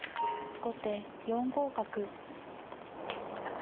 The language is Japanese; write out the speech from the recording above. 後手４五角。